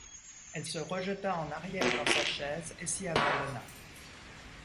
Elle se rejeta en arrière dans sa chaise et s’y abandonna.